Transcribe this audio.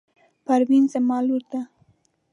پروین زما لور ده.